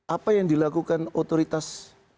apa yang dilakukan otoritas